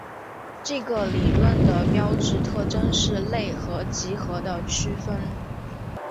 这个理论的标志特征是类和集合的区分。